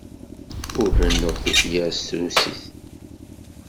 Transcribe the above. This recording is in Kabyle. Ur rennuɣ tifyar s trusit.